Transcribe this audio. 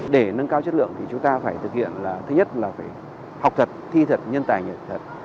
để nâng cao chất lượng thì chúng ta phải thực hiện là thứ nhất là phải học thật thi thật nhân tài nhận thật